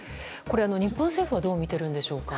日本政府はどうみているんでしょうか。